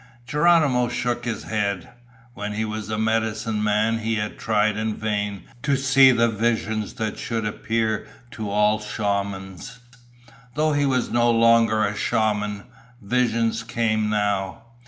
Geronimo shook his head. When he was a medicine man, he had tried in vain to see the visions that should appear to all shamans. Though he was no longer a shaman, visions came now.